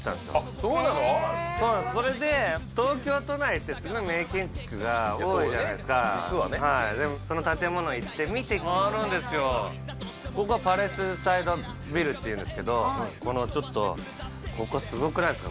そうなんですそれで東京都内ってすごい名建築が多いじゃないすか実はねはいそのここはパレスサイド・ビルっていうんですけどこのちょっとここすごくないですか？